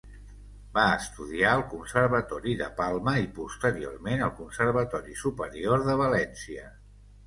Va estudiar al Conservatori de Palma i posteriorment al Conservatori Superior de València.